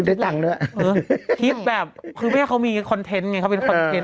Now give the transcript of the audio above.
บางทีกลับไปกลับมาเขาก็โชว์ลงบ่อย